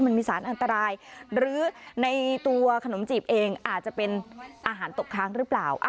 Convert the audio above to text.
มันมีสารอันตรายหรือในตัวขนมจีบเองอาจจะเป็นอาหารตกค้างหรือเปล่า